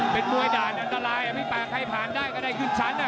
เป็นมวยด่านอันตรายพี่ป่าใครผ่านได้ก็ได้ขึ้นชั้น